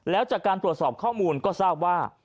แล้วจากการตรวจสอบข้อมูลก็ทราบว่า